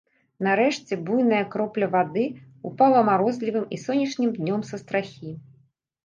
Нарэшце буйная кропля вады ўпала марозлівым і сонечным днём са страхі.